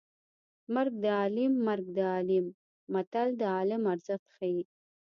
مرګ د عالیم مرګ د عالیم متل د عالم ارزښت ښيي